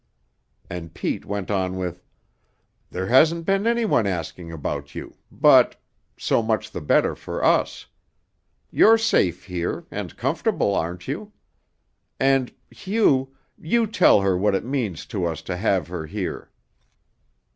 And Pete went on with: "There hasn't been anyone asking about you, but so much the better for us. You're safe here, and comfortable, aren't you? And Hugh, you tell her what it means to us to have her here."